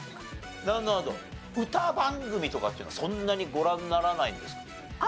歌番組とかっていうのはそんなにご覧にならないんですか？